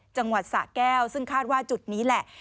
จังหวัดสะแก้วซึ่งคาดว่าจุดนี้แหละ